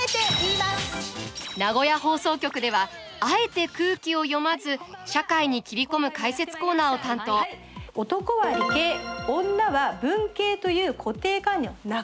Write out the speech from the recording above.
名古屋放送局ではあえて空気を読まず社会に切り込む解説コーナーを担当男は理系女は文系という固定観念をなくそうと。